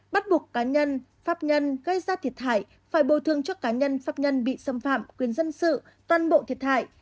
bắt buộc cá nhân pháp nhân gây ra thiệt hại phải bồi thương cho cá nhân pháp nhân bị xâm phạm quyền dân sự toàn bộ thiệt hại